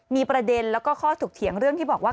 มีประเด็นแล้วก็ข้อถกเถียงเรื่องที่บอกว่า